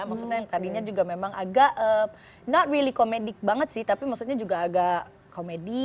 maksudnya yang tadinya juga memang agak not really komedic banget sih tapi maksudnya juga agak komedi